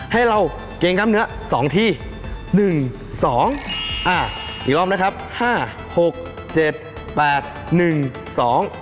ให้เราเกรงกล้ามเนื้อสองที่หนึ่งสองอ่ายอมนะครับห้าหกเจ็ดแปดหนึ่งสอง